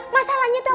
mas al itu ini masal